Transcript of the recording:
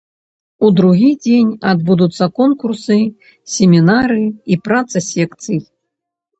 У другі дзень адбудуцца конкурсы, семінары і праца секцый.